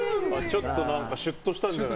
ちょっとシュッとしたんじゃない？